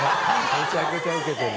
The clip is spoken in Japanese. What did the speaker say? めちゃくちゃウケてる。